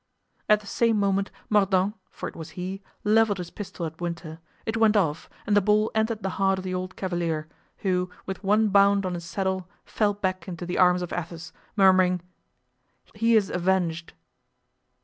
At the same moment Mordaunt, for it was he, leveled his pistol at Winter; it went off and the ball entered the heart of the old cavalier, who with one bound on his saddle fell back into the arms of Athos, murmuring: "He is avenged!"